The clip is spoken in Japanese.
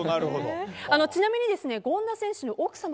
ちなみに権田選手の奥さま